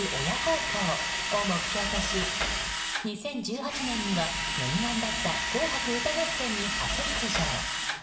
親孝行！」を目標とし２０１８年には念願だった「紅白歌合戦」に初出場。